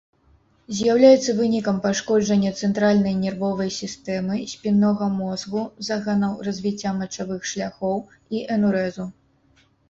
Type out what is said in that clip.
З'яўляецца вынікам пашкоджання цэнтральнай нервовай сістэмы, спіннога мозгу, заганаў развіцця мачавых шляхоў і энурэзу.